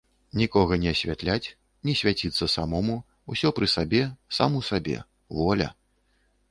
Нікога не асвятляць, не свяціцца самому, усё пры сабе, сам у сабе, воля.